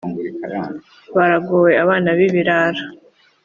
Baragowe, abana b’ibirara!